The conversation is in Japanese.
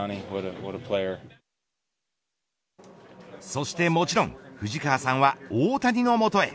そしてもちろん藤川さんは大谷の元へ。